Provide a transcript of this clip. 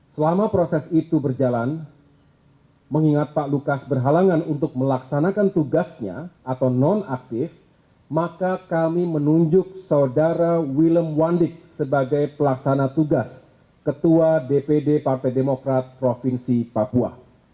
selama proses itu berjalan mengingat pak lukas berhalangan untuk melaksanakan tugasnya atau non aktif maka kami menunjuk saudara willem wandik sebagai pelaksana tugas ketua dpd partai demokrat provinsi papua